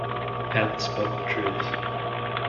Helene spoke the truth.